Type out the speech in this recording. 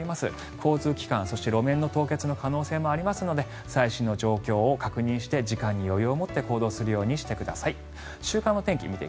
交通機関、そして路面の凍結の可能性もありますので最新の状況を確認して時間に余裕を持って行動するようにしてください。